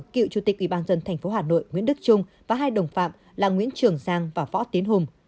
cựu chủ tịch ủy ban dân thành phố hà nội nguyễn đức trung và hai đồng phạm là nguyễn trường giang và võ tiến hùng